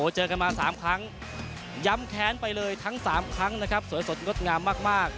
เจอกันมา๓ครั้งย้ำแค้นไปเลยทั้ง๓ครั้งนะครับสวยสดงดงามมาก